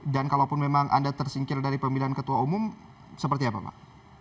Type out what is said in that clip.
dan kalaupun memang anda tersingkir dari pemilihan ketua umum seperti apa pak